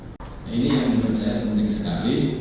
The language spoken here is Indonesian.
nah ini yang menurut saya penting sekali